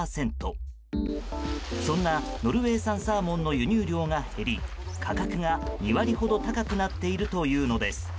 そんなノルウェー産サーモンの輸入量が減り価格が２割ほど高くなっているというのです。